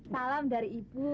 salam dari ibu